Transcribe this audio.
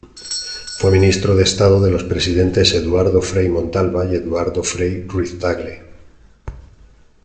Fue ministro de Estado de los presidentes Eduardo Frei Montalva y Eduardo Frei Ruiz-Tagle.